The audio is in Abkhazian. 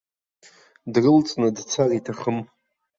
Дрылҵны дцар иҭахым.